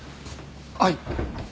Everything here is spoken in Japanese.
はい。